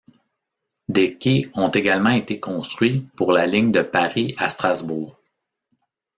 Des quais ont également été construits pour la ligne de Paris à Strasbourg.